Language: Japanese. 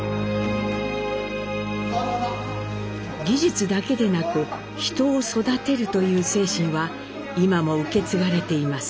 技術だけでなく「人を育てる」という精神は今も受け継がれています。